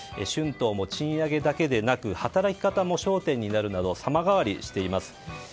春闘も賃上げだけでなく働き方も焦点になるなど様変わりしています。